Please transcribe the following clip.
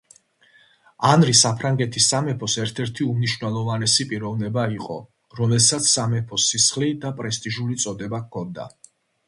ანრი საფრანგეთის სამეფოს ერთ-ერთი უმნიშვნელოვანესი პიროვნება იყო, რომელსაც სამეფო სისხლი და პრესტიჟული წოდება ჰქონდა.